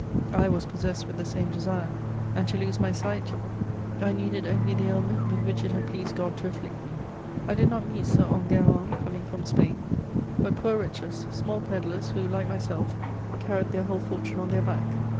I was possessed with the same desire, and to lose my sight I needed only the ailment with which it had pleased God to afflict me. I did not meet "Sir Enguerrand coming from Spain," but poor wretches, small pedlars who, like myself, carried their whole fortune on their back.